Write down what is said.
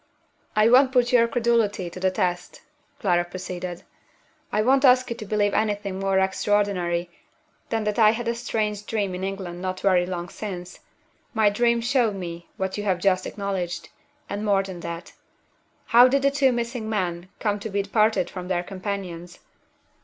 "I won't put your credulity to the test," Clara proceeded. "I won't ask you to believe anything more extraordinary than that I had a strange dream in England not very long since. My dream showed me what you have just acknowledged and more than that. How did the two missing men come to be parted from their companions?